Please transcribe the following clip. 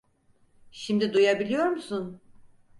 Şimdi duyabiliyor musun?